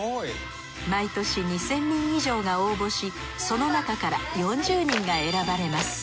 毎年２，０００人以上が応募しそのなかから４０人が選ばれます。